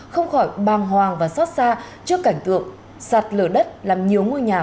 không khỏi bàng hoàng và xót xa trước cảnh tượng sạt lở đất làm nhiều ngôi nhà